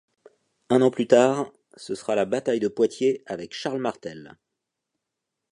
Un an plus tard, ce sera la bataille de Poitiers avec Charles Martel.